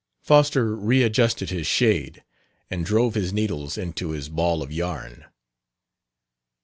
Foster readjusted his shade, and drove his needles into his ball of yarn.